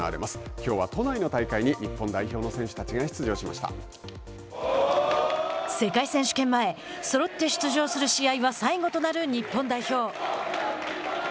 きょうは都内の大会に日本代表の選手たちが世界選手権前そろって出場する試合は最後となる日本代表。